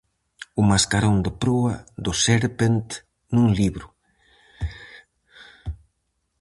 O mascarón de proa do Serpent nun libro.